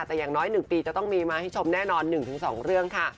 แต่อย่างน้อย๑ปีจะต้องมีมาให้ชมแน่นอน๑๒เรื่องค่ะ